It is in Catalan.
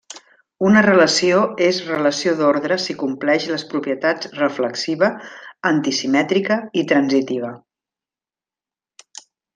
Una relació és relació d'ordre si compleix les propietats reflexiva, antisimètrica i transitiva.